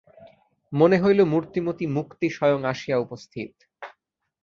মনে হইল, মূর্তিমতী মুক্তি স্বয়ং আসিয়া উপস্থিত।